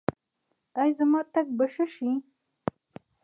ایا زما تګ به ښه شي؟